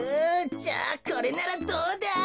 じゃあこれならどうだ？